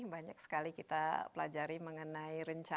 banyak sekali kita pelajari mengenai rencana strategi dan perkembangan